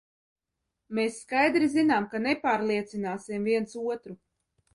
Mēs skaidri zinām, ka nepārliecināsim viens otru.